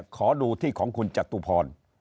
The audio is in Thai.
ขอดูที่ของคุณจตุพร